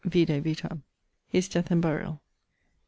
(vide vitam). <_His death and burial.